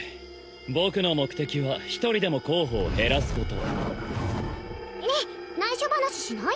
僕の目的は一人でも候補を減らすことねっ内緒話しない？